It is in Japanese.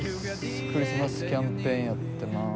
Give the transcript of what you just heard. クリスマスキャンペーンやってます。